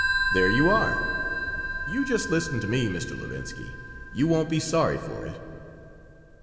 "There you are. You just listen to me, Mr. Levinsky. You won't be sorry for it."